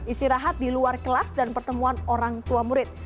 istirahat di luar kelas dan pertemuan orang tua murid